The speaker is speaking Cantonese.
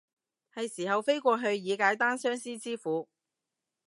係時候飛過去以解單相思之苦